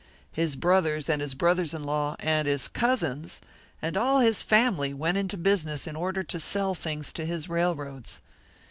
His brothers, and his brothers in law, and his cousins, and all his family went into business in order to sell things to his railroads.